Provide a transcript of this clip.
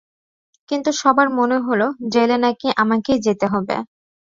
কিন্তু, সবার মনে হলো, জেলে নাকি আমাকেই যেতে হবে।